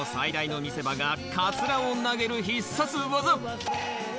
その最大の見せ場がカツラを投げる必殺技。